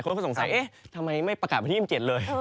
คนก็สงสัยเอ๊ะทำไมไม่ประกาศวันที่๒๗เลย